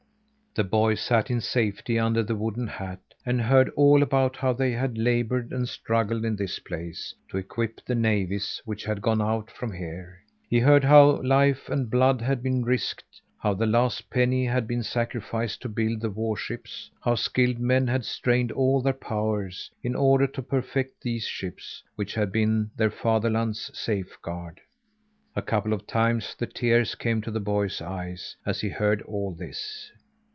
The boy sat in safety under the wooden hat, and heard all about how they had laboured and struggled in this place, to equip the navies which had gone out from here. He heard how life and blood had been risked; how the last penny had been sacrificed to build the warships; how skilled men had strained all their powers, in order to perfect these ships which had been their fatherland's safeguard. A couple of times the tears came to the boy's eyes, as he heard all this.